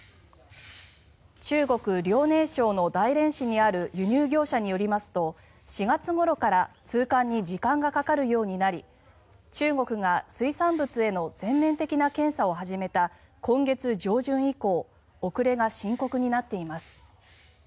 中国・遼寧省の大連市にある輸入業者によりますと４月ごろから通関に時間がかかるようになり中国が水産物への全面的な検査を始めた今月上旬以降遅れが深刻になっています。